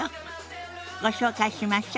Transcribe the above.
ご紹介しましょ。